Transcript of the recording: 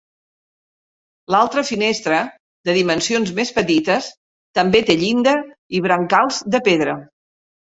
L'altra finestra, de dimensions més petites també té llinda i brancals de pedra.